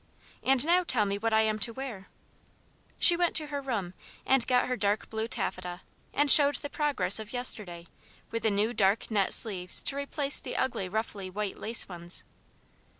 And now tell me what I am to wear." She went to her room and got her dark blue taffeta and showed the progress of yesterday with the new dark net sleeves to replace the ugly ruffly white lace ones.